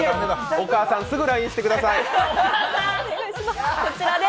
お母さん、すぐＬＩＮＥしてください。